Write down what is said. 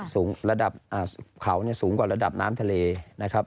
ระดับเขาสูงกว่าระดับน้ำทะเลนะครับ